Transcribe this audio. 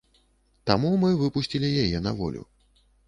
Таму мы выпусцілі яе на волю.